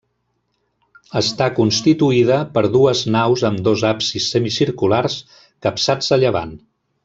Està constituïda per dues naus amb dos absis semicirculars capçats a llevant.